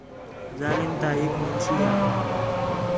ظالم تا ہِک مُنشی ہا